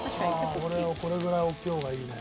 ああ俺はこれぐらい大きい方がいいね。